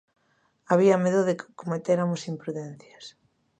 Había medo de que cometéramos imprudencias.